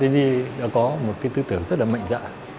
giám đốc của std đã có một cái tư tưởng rất là mạnh dạ